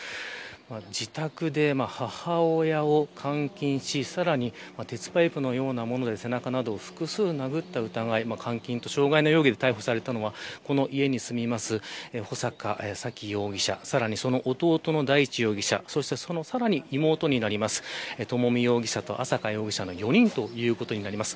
自宅で母親を監禁しさらに鉄パイプのようなもので背中などを複数回殴った疑い監禁と傷害の容疑で逮捕されたのはこの家に住む穂坂沙喜容疑者と大地容疑者その妹になる朝美容疑者と朝華容疑者の４人ということになります。